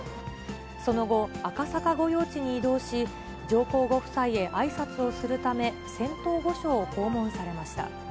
その後、赤坂御用地に移動し、上皇ご夫妻へあいさつをするため、仙洞御所を訪問されました。